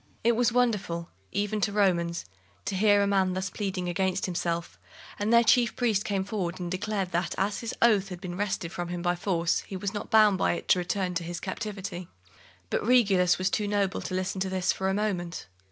It was wonderful, even to Romans, to hear a man thus pleading against himself; and their chief priest came forward and declared that, as his oath had been wrested from him by force, he was not bound by it to return to his captivity. But Regulus was too noble to listen to this for a moment.